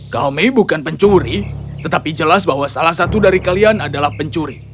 kami bukan pencuri tetapi jelas bahwa salah satu dari kalian adalah pencuri